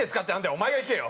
お前がいけよ。